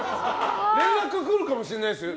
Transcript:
連絡来るかもしれないですよ